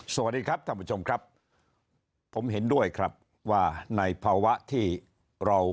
สวัสดีครับท่านผู้ชมครับผมเห็นด้วยครับว่าในภาวะที่เรา